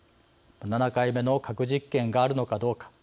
７回目の核実験があるのかどうか。